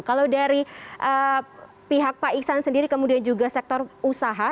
kalau dari pihak pak iksan sendiri kemudian juga sektor usaha